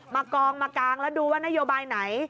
กองมากางแล้วดูว่านโยบายไหน